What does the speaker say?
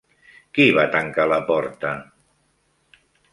Qui va tancar la porta?